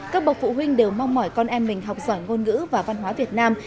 các bậc phụ huynh đều mong mỏi con em mình học giỏi ngôn ngữ và văn hóa việt nam